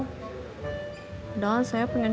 padahal saya punya jualan